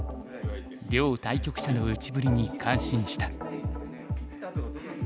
両対局者の打ちぶりに感心した。